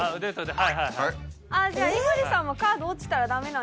じゃあ井森さんもカード落ちたらダメなんですか？